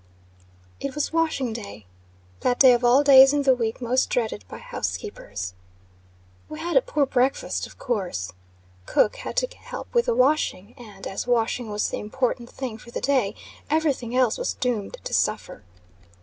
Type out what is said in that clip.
IT was "washing day;" that day of all days in the week most dreaded by housekeepers. We had a poor breakfast, of course. Cook had to help with the washing, and, as washing was the important thing for the day, every thing else was doomed to suffer.